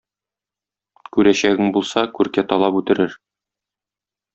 Күрәчәгең булса, күркә талап үтерер.